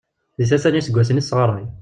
Deg tlata n yiseggasen i tesɣaray.